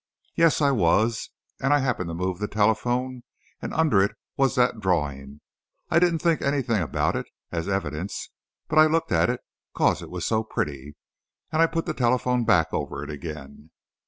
"Yep, I was; and I happened to move the telephone, and under it was that drawing. I didn't think anything about it, as evidence, but I looked at it 'cause it was so pretty. And I put the telephone back over it again."